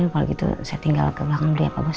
ya kalau gitu saya tinggal ke belakang beli ya pak bos